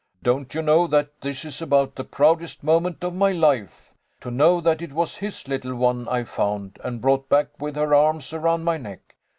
"Don't you know that this is about the proudest moment of my life ? To know that it was his little one I found, and brought back with her arms around my neck